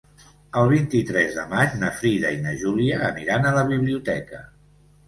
El vint-i-tres de maig na Frida i na Júlia aniran a la biblioteca.